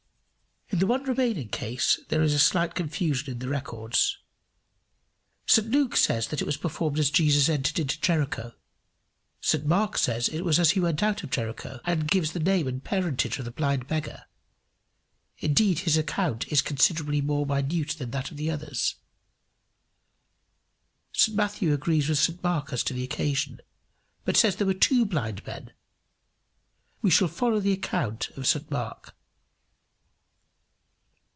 In the one remaining case there is a slight confusion in the records. St Luke says that it was performed as Jesus entered into Jericho; St Mark says it was as he went out of Jericho, and gives the name and parentage of the blind beggar; indeed his account is considerably more minute than that of the others. St Matthew agrees with St Mark as to the occasion, but says there were two blind men. We shall follow the account of St Mark.